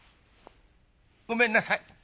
「ごめんなさい。